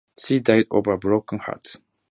She died of a broken heart.